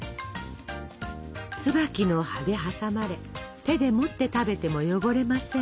つばきの葉で挟まれ手で持って食べても汚れません。